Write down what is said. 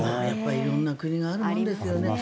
色んな国があるもんですよね。